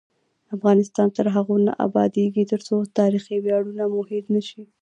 افغانستان تر هغو نه ابادیږي، ترڅو تاریخي ویاړونه مو هیر نشي.